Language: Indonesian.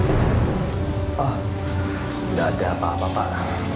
tidak ada apa apa pak